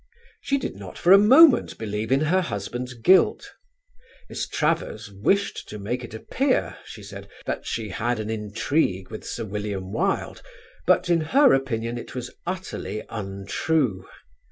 She did not for a moment believe in her husband's guilt. Miss Travers wished to make it appear, she said, that she had an intrigue with Sir William Wilde, but in her opinion it was utterly untrue.